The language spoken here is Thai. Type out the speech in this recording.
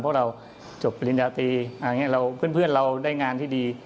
เพราะเราจบปริญญาตีอ่าอย่างเงี้ยเราเพื่อนเพื่อนเราได้งานที่ดี